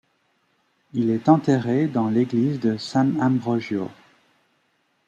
Il est enterré dans l'église de Sant'Ambrogio.